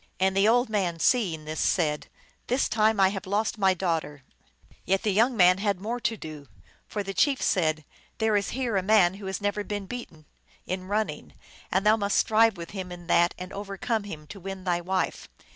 And the old man, seeing this, said, " This time I have lost my daughter !" Yet the young man had more to do ; for the chief said, " There is here a man who has never been beaten in running, and thou must strive with him in that and overcome him, to win thy wife."